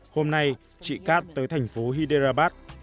hôm nay chị kat tới thành phố hyderabad